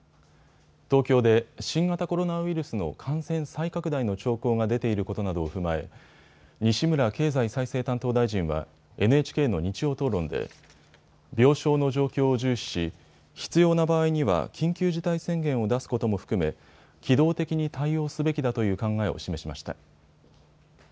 東京で新型コロナウイルスの感染再拡大の兆候が出ていることなどを踏まえ西村経済再生担当大臣はＮＨＫの日曜討論で病床の状況を重視し、必要な場合には緊急事態宣言を出すことも含め機動的に対応すべきだという考えを示しました。